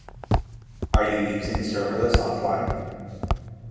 Are you using serverless offline?